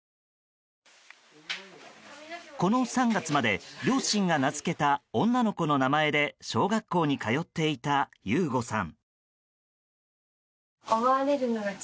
この３月まで両親が名付けた女の子の名前で小学校に通っていた悠悟さん。